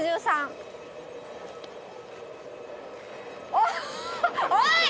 おっおい！